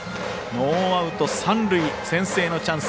ノーアウト三塁、先制のチャンス